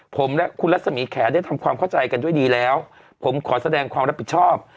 ผมและคุณรัศมีแขได้ทำความเข้าใจกันด้วยดีแล้วผมขอแสดงความรับผิดชอบ